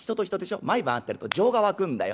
毎晩会ってると情が湧くんだよ。